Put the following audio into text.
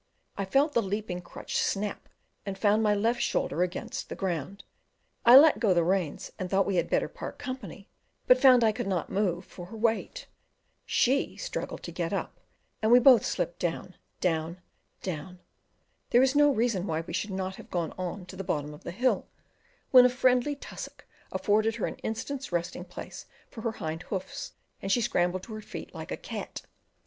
I felt the leaping crutch snap, and found my left shoulder against the ground; I let go the reins, and thought we had better part company, but found I could not move for her weight; she struggled to get up, and we both slipped down, down down: there was no reason why we should not have gone on to the bottom of the hill, when a friendly tussock afforded her an instant's resting place for her hind hoofs, and she scrambled to her feet like a cat.